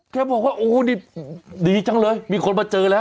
บอกว่าโอ้นี่ดีจังเลยมีคนมาเจอแล้ว